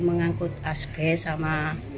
mengangkut asbest sama